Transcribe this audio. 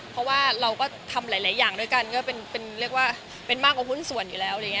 เพราะว่าเราก็ทำหลายอย่างด้วยกันก็เป็นมากกว่าภูนิส่วนอยู่แล้ว